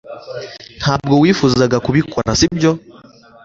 ntabwo wifuzaga kubikora, sibyo